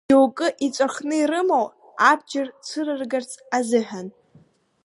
Џьоукы иҵәахны ирымоу абџьар цәырыргарц азыҳәан?